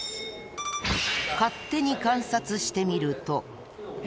勝手に観察してみると。